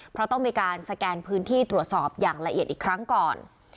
เพราะต้องมีการสแกนพื้นที่ตรวจสอบอย่างละเอียดอีกครั้งก่อน